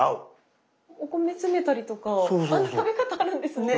お米詰めたりとかあんな食べ方あるんですね。